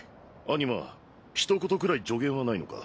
アニマひと言くらい助言はないのか？